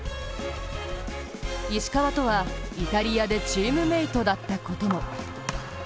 石川とは、イタリアでチームメートだったことも。